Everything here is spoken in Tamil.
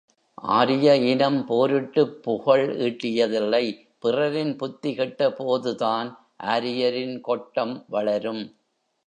ஆரிய இனம் போரிட்டுப் புகழ் ஈட்டியதில்லை பிறரின் புத்தி கெட்டபோதுதான் ஆரியரின் கொட்டம் வளரும்!